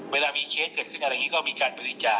เวลามีเคสเกิดขึ้นอะไรอย่างนี้ก็มีการบริจาค